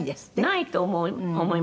ないと思いますよ。